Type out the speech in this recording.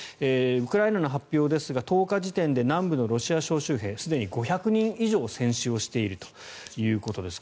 ウクライナの発表ですが１０日時点で南部のロシア招集兵すでに５００人以上戦死しているということです。